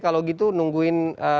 kalau gitu nungguin